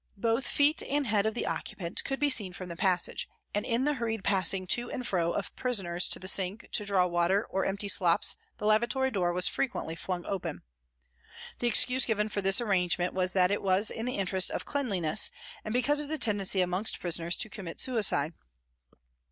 Both feet and head of the occupant could be seen from the passage, and in the hurried passing to and fro of prisoners to the sink to draw water or empty slops the lavatory door was frequently flung open. The excuse given for this arrangement was that it was in the interests of cleanliness and because of the tendency amongst prisoners to commit suicide.